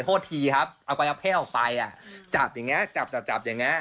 โทษทีครับเอาไปเอาเพศออกไปจับอย่างนี้จับอย่างนี้